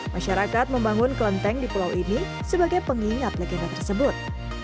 masyarakat membangun kelenteng di pulau ini sebagai pengingat legenda tersebut